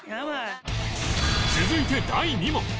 続いて第２問